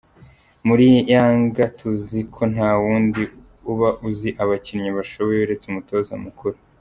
Muri Yanga tuziko nta wundi uba uzi abakinnyi bashoboye uretse umutoza mukuru.